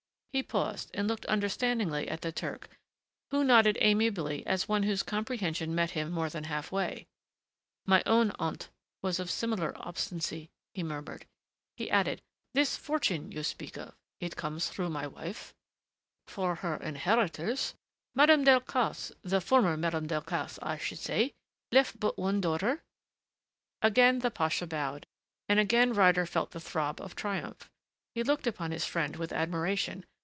He paused and looked understandingly at the Turk, who nodded amiably as one whose comprehension met him more than half way. "My own aunt was of a similar obstinacy," he murmured. He added, "This fortune you speak of it comes through my wife?" "For her inheritors. Madame Delcassé the former Madame Delcassé I should say left but one daughter?" Again the pasha bowed and again Ryder felt the throb of triumph. He looked upon his friend with admiration.